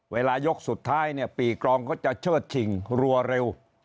เวลายกสุดท้ายเนี่ยปีกรองก็จะเชิดฉิงรัวเร็ว